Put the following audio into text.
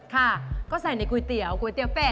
ค่ะก็ใส่ในก๋วยเตี๋ยวก๋วยเตี๋เป็